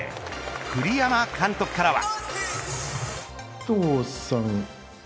栗山監督からは。